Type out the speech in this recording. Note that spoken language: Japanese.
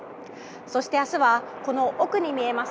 そして、明日はこの奥に見えます